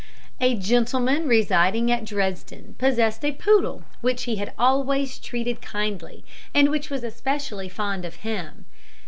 A gentleman residing at Dresden possessed a poodle which he had always treated kindly, and which was especially fond of him.